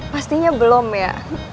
pastinya belum ya